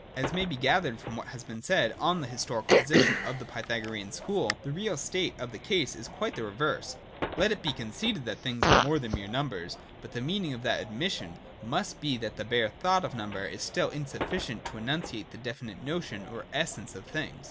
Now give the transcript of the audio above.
As may be gathered from what has been said on the historical position of the Pythagorean school, the real state of the case is quite the reverse. Let it be conceded that things are more than numbers ; but the meaning of that admission must be that the bare 198 THE DOCTRINE OF BEING. [104,105. thought of number is still insufficient to enunciate the definite notion or essence of things.